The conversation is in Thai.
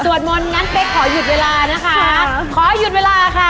สวดมนต์งั้นเ